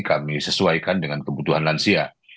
kami sesuaikan dengan kebutuhan lansia